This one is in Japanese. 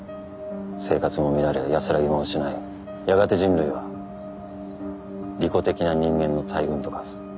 生活も乱れ安らぎも失いやがて人類は利己的な人間の大群と化す。